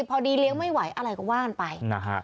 พอดีเลี้ยงไม่ไหวอะไรก็ว่ากันไปนะฮะ